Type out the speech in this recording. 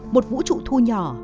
một vũ trụ thu nhỏ